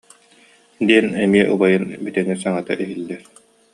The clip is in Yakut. диэн эмиэ убайын бүтэҥи саҥата иһиллэр